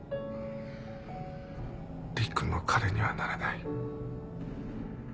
りっくんの彼にはなれない。